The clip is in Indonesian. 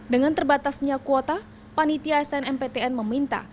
dengan terbatasnya kuota panitia snmptn meminta